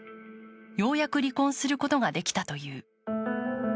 ようやく離婚することができたという。